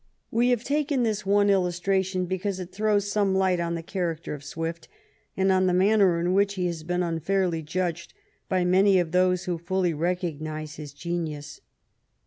We have taken this one illustration because it throws some light on the char acter of Swift, and on the manner in which he has been unfairly judged by many of those who fully recognize his genius.